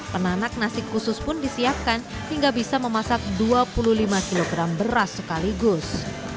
penanak nasi khusus pun disiapkan hingga bisa memasak dua puluh lima kg beras sekaligus